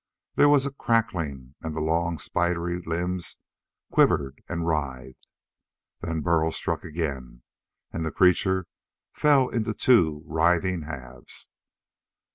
There was a crackling, and the long, spidery limbs quivered and writhed. Then Burl struck again and the creature fell into two writhing halves.